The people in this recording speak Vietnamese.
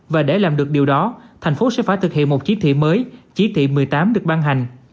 và để làm được điều đó thành phố sẽ phải thực hiện một chí thị mới chỉ thị một mươi tám được ban hành